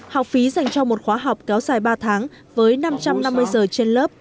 học phí dành cho một khóa học kéo dài ba tháng với năm trăm năm mươi giờ trên lớp